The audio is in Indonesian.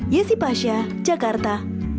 yesi pasha jakarta